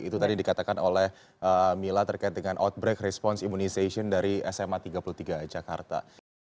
itu tadi dikatakan oleh mila terkait dengan outbreak response immunization dari sma tiga puluh tiga jakarta